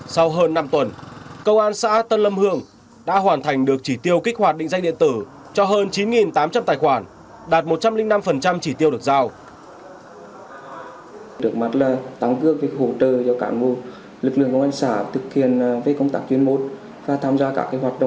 sau hơn năm tuần công an xã tân lâm hương đã hoàn thành được chỉ tiêu kích hoạt định danh điện tử cho hơn chín tám trăm linh tài khoản đạt một trăm linh năm chỉ tiêu được giao